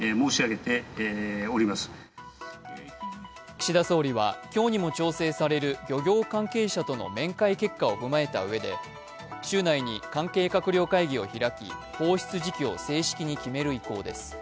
岸田総理は今日にも調整される漁業関係者との面会結果を踏まえたうえで、週内に関係閣僚会議を開き、放出時期を正式に決める意向です。